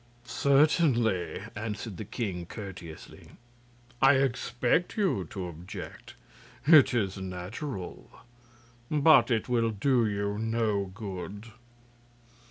"Certainly," answered the king, courteously. "I expect you to object. It is natural. But it will do you no good."